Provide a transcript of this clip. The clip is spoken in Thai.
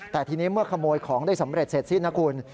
แต่ทีนี้เมื่อขโมยของได้สำเร็จเสร็จสิ้นนะคุณ